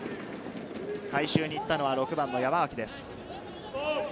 回収に行ったのは６番の山脇です。